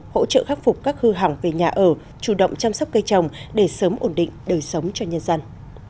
hỗ trợ khắc phục các hư hỏng về nhà ở chủ động chăm sóc cây trồng để sớm ổn định đời sống cho nhân dân